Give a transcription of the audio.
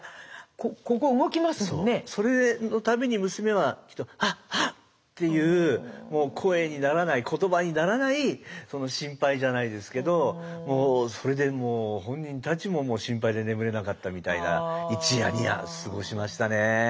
それの度に娘は「はっはっ」ていう声にならない言葉にならない心配じゃないですけどそれでもう本人たちも心配で眠れなかったみたいな一夜二夜過ごしましたね。